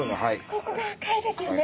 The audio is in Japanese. ここが赤いですよね。